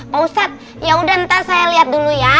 pak ustad yaudah nanti saya liat dulu ya